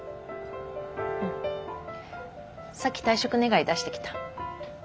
うんさっき退職願出してきた。